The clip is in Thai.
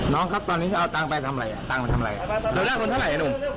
น้องครับตอนนี้จะเอาตังค์ไปทำไรตังค์มาทำอะไร